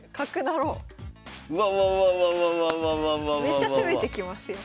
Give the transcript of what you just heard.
めっちゃ攻めてきますよ。